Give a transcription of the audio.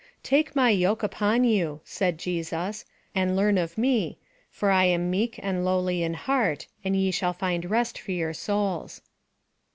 " Take my yoke upon ) on," said Jesns, " and learn of me, for 1 am meek and lowly in heart, and ye shall lind rest for your souls."